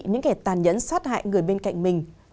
những kẻ tàn nhẫn sát hại người bên cạnh mình